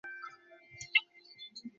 কোথায় গায়েব হয়ে থাকো?